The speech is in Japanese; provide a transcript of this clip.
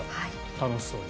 楽しそうに。